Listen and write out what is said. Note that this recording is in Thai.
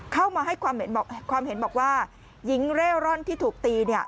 เข้ามาให้ความเห็นบอกว่าหญิงเร่ร่อนที่ถูกตี